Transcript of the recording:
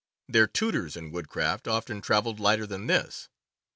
Their tutors in woodcraft often traveled lighter than this.